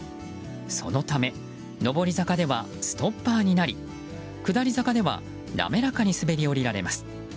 そのため上り坂ではストッパーになり下り坂では滑らかに滑り降りられます。